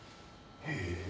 へえ。